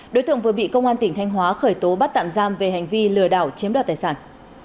đối tượng vừa bị công an tỉnh thanh hóa khởi tố bắt tạm giam về hành vi lừa đảo chiếm đoạt tài sản